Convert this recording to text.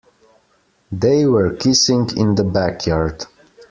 They were kissing in the backyard.